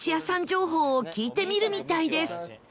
情報を聞いてみるみたいです